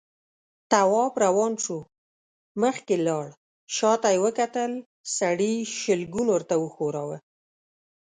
تواب روان شو، مخکې لاړ، شاته يې وکتل، سړي شلګون ورته وښوراوه.